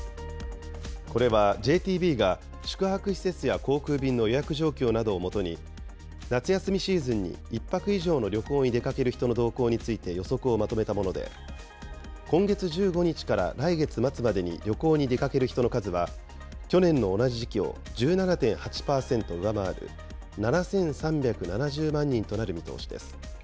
これは、ＪＴＢが、宿泊施設や航空便の予約状況などを基に、夏休みシーズンに１泊以上の旅行に出かける人の動向について予測をまとめたもので、今月１５日から来月末までに旅行に出かける人の数は、去年の同じ時期を１７．８％上回る７３７０万人となる見通しです。